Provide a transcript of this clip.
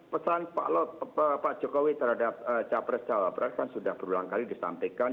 pesan pak jokowi terhadap capres cawapres kan sudah berulang kali disampaikan